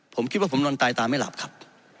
ผมคิดว่าผมนอนตายตาไม่หลับครับ